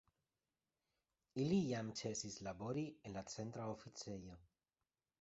Ili jam ĉesis labori en la Centra Oficejo.